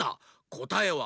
こたえは。